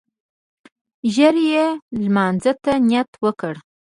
ژر يې لمانځه ته نيت وکړ.